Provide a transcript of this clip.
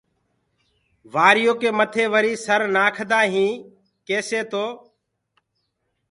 وآريو ڪي مٿي وري سر نآکدآ هين ڪيسآ تو